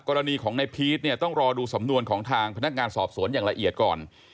กรณีของในพีชเนี่ยต้องรอดูสำนวนของทางพนักงานสอบสวนอย่างละเอียดก่อน